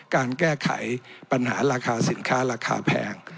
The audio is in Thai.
การแก้ไขปัญหาราคาสินค้าราคาแพง